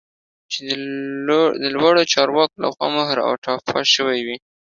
چې د لوړو چارواکو لخوا مهر او ټاپه شوی وي